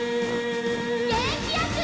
げんきよく！